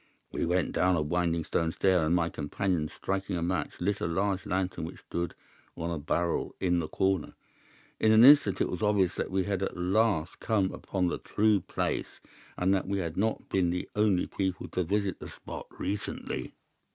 "We went down a winding stone stair, and my companion, striking a match, lit a large lantern which stood on a barrel in the corner. In an instant it was obvious that we had at last come upon the true place, and that we had not been the only people to visit the spot recently.